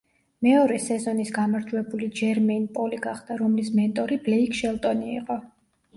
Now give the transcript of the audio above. მეორე სეზონის გამარჯვებული ჯერმეინ პოლი გახდა, რომლის მენტორი ბლეიკ შელტონი იყო.